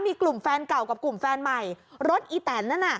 มีกลุ่มแฟนเก่ากับกลุ่มแฟนใหม่รถอีแตนนั่นน่ะ